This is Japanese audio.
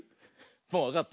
もうわかった？